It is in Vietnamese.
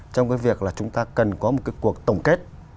trong cái việc là chúng ta cần có một cái cuộc tổng kết